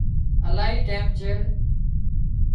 الاهي ٽيم چيڙ